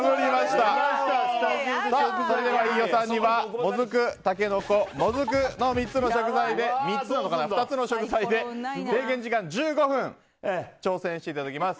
飯尾さんにはもずく、タケノコ、もずく２つの食材で制限時間１５分で挑戦していただきます。